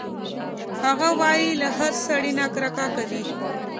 هغه وايي چې له هر سړي نه کرکه کوي